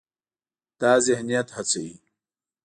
دا ذهنیت هڅوي،